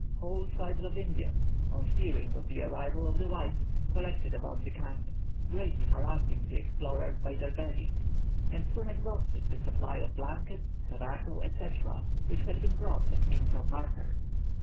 Whole tribes of Indians, on hearing of the arrival of the whites, collected about the camp, greatly harassing the explorers by their begging, and soon exhausted the supply of blankets, tobacco, &c., which had been brought as means of barter.